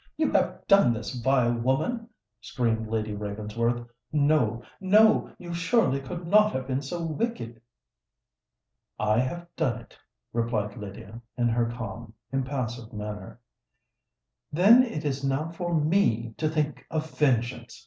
you have done this, vile woman?" screamed Lady Ravensworth. "No—no: you surely could not have been so wicked?" "I have done it," replied Lydia, in her calm, impassive manner. "Then it is now for me to think of vengeance!"